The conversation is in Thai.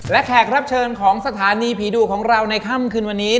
และแขกรับเชิญของสถานีผีดุของเราในค่ำคืนวันนี้